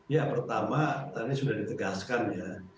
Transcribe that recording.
ya pertama tadi sudah ditegaskan ya